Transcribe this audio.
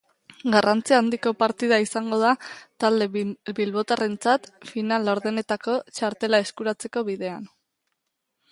Garrantzi handiko partida izango da talde bilbotarrarentzat final-laurdenetarako txartela eskuratzeko bidean.